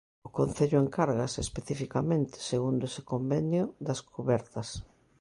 O concello encárgase especificamente, segundo ese convenio, das cubertas.